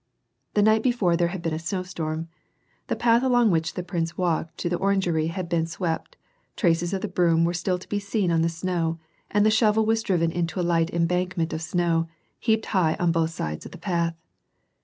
The night before there had been a snowstorm. The path along which the prince walked to the orangery had been swe])t ; traces of the broom were still to be seen on the snow, and the shovel was driven into a light embankment of snow, heaped high on both sides of the path.